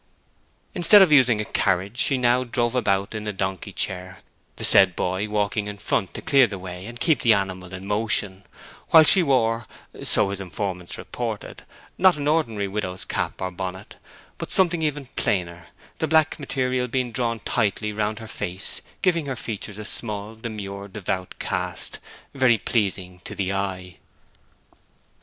Instead of using a carriage she now drove about in a donkey chair, the said boy walking in front to clear the way and keep the animal in motion; while she wore, so his informants reported, not an ordinary widow's cap or bonnet, but something even plainer, the black material being drawn tightly round her face, giving her features a small, demure, devout cast, very pleasing to the eye.